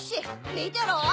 みてろ！